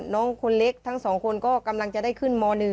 น้องคนเล็กทั้ง๒คนก็กำลังจะได้ขึ้นม๑